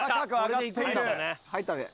入ったで。